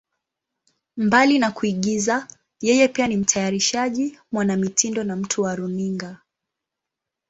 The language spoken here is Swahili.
Mbali na kuigiza, yeye pia ni mtayarishaji, mwanamitindo na mtu wa runinga.